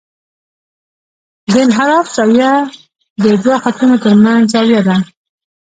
د انحراف زاویه د دوه خطونو ترمنځ زاویه ده